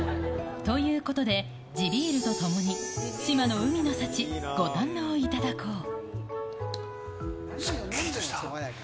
ということで、地ビールとともに、志摩の海の幸、ご堪能いただこう。